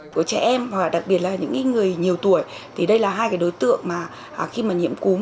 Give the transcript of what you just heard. của trẻ em và đặc biệt là những người nhiều tuổi thì đây là hai cái đối tượng mà khi mà nhiễm cúm